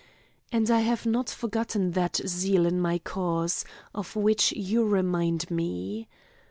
And I have not forgotten that zeal in my cause, of which you remind me.